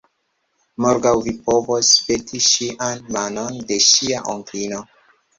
Morgaŭ vi povos peti ŝian manon de ŝia onklino.